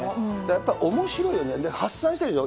やっぱおもしろいよね、発散してるでしょ、